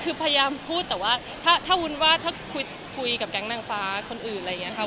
คือพยายามพูดแต่ว่าถ้าวุ้นว่าถ้าคุยกับแก๊งนางฟ้าคนอื่นอะไรอย่างนี้ค่ะ